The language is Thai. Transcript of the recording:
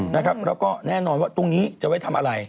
แล้วก็แน่นอนว่าตรงนี้จะไว้ทำอะไร